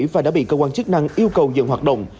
và đã bị cơ quan chức năng yêu cầu dừng hoạt động